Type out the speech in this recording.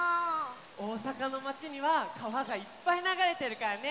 おおさかのまちにはかわがいっぱいながれてるからね！